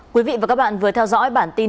quý vị và các bạn vừa theo dõi bản tin